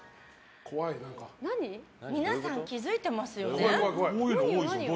みなさん気づいてますよね？